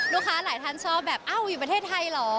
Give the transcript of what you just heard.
ลูกค้าหลายท่านชอบแบบเอ้าอยู่ประเทศไทยเหรอ